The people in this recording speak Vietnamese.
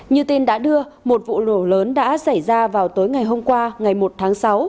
như tin đã đưa một vụ nổ lớn đã xảy ra vào tối ngày hôm qua ngày một tháng sáu